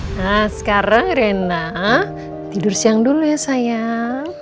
nah sekarang rena tidur siang dulu ya sayang